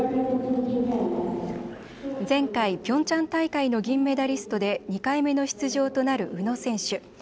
前回、ピョンチャン大会の銀メダリストで２回目の出場となる宇野選手。